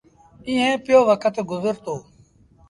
ايٚئيٚن پيو وکت گزرتو۔